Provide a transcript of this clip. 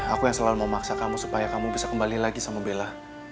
aku yang selalu memaksa kamu supaya kamu bisa kembali lagi sama bella